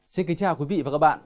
xin kính chào quý vị và các bạn